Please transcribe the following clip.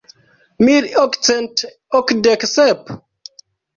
Mil okcent okdek sep?